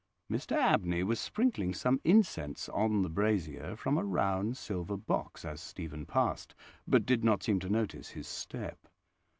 Mr Abney was sprinkling some incense on the brazier from a round silver box as Stephen passed, but did not seem to notice his step.